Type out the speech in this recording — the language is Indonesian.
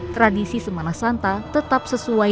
tradisi semana santa tetap sesuai